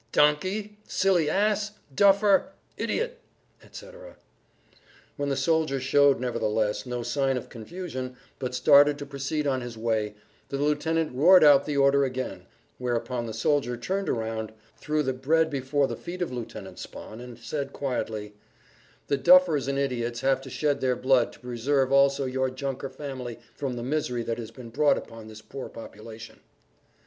"Donkey!" "Silly ass?" "Duffer!" "Idiot!" etc. When the soldier showed nevertheless no sign of confusion, but started to proceed on his way, the lieutenant roared out the order again, whereupon the soldier turned round, threw the bread before the feet of Lieutenant Spahn, and said quietly: "The duffers and idiots have to shed their blood to preserve also your junker family from the misery that has been brought upon this poor population."